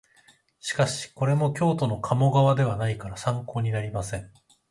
しかしこれも京都の鴨川ではないから参考になりません